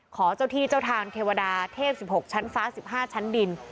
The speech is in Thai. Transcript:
ขอเจ้าที่เจ้าทางเทวดาเทพสิบหกชั้นฟ้าสิบห้าชั้นดิน